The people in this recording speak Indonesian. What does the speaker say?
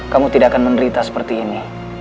kamu tidak akan menderita seperti ini